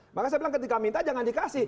makanya saya bilang ketika minta jangan dikasih